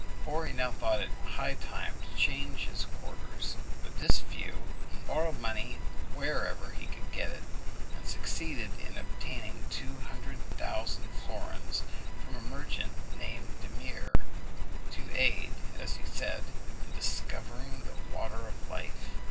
Borri now thought it high time to change his quarters. With this view he borrowed money wherever he could get it, and succeeded in obtaining two hundred thousand florins from a merchant named De Meer, to aid, as he said, in discovering the water of life.